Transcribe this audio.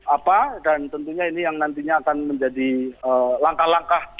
apa dan tentunya ini yang nantinya akan menjadi langkah langkah